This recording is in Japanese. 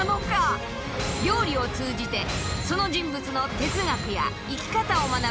料理を通じてその人物の哲学や生き方を学ぶ